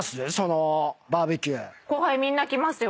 後輩みんな来ますよ。